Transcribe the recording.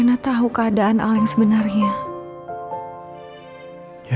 hamba tidak sanggup membayangkan senyum ceria itu menghilang darinya